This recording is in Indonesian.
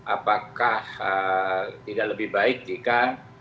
apakah tidak lebih baik jika